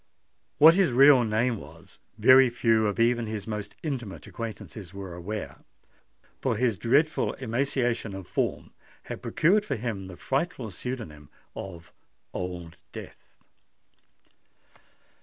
What his real name was, very few of even his most intimate acquaintances were aware; for his dreadful emaciation of form had procured for him the frightful pseudonym of Old Death.